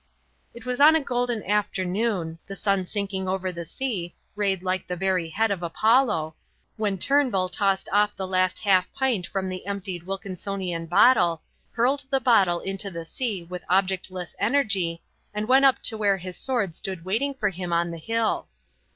It was on a golden afternoon, the sun sinking over the sea, rayed like the very head of Apollo, when Turnbull tossed off the last half pint from the emptied Wilkinsonian bottle, hurled the bottle into the sea with objectless energy, and went up to where his sword stood waiting for him on the hill.